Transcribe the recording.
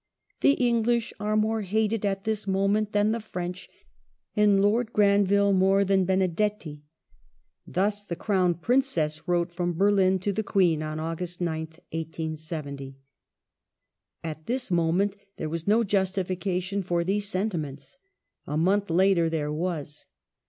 " The English are more hated at this moment than the French, and Lord Granville more than Benedetti." Thus the Crown Princess wrote from Berlin to the Queen on August 9th, 1870.^ At this moment there was no justification for these senti ments. A month later there was.